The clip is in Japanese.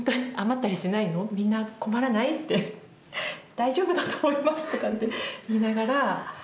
「大丈夫だと思います」とかって言いながら。